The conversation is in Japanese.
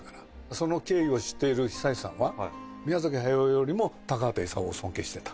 その経緯を知っている久石さんは、宮崎駿よりも高畑勲を尊敬してた。